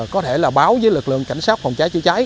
có thể là báo với lực lượng cảnh sát phòng cháy chữa cháy